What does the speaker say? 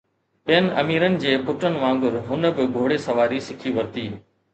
ٻين اميرن جي پٽن وانگر هن به گهوڙي سواري سکي ورتي